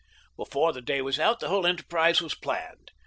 Before the day was out the whole enterprise was planned.